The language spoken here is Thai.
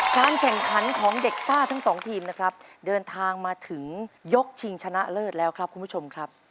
การแข่งขันของเด็กซ่าทั้งสองทีมนะครับเดินทางมาถึงยกชิงชนะเลิศแล้วครับคุณผู้ชมครับ